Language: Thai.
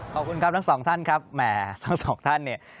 ขอบคุณครับทั้งสองท่านครับแหมทั้งสองท่านเนี่ย